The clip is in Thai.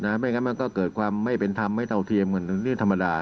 ไม่อย่างนั้นมันก็เกิดความไม่เป็นธรรมไม่เต่าเทียมนี่ธรรมดา